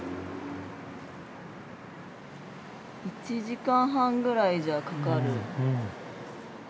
１時間半ぐらいじゃあかかる。